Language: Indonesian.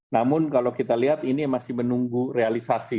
namun kalau kita lihat ini masih menunggu realisasi